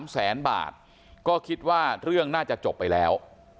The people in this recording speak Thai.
๓แสนบาทก็คิดว่าเรื่องน่าจะจบไปแล้ว